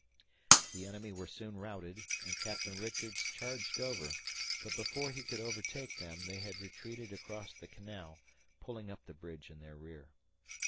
The enemy were soon routed and Captain Richards charged over, but before he could overtake them they had retreated across the canal, pulling up the bridge in their rear.